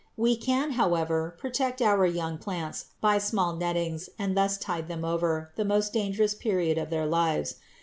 We can, however, protect our young plants by small nettings and thus tide them over the most dangerous period of their lives.